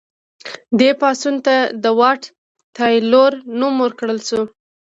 دې پاڅون ته د واټ تایلور نوم ورکړل شو.